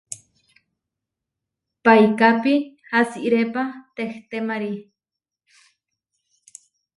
Paikápi asirépa tehtémari.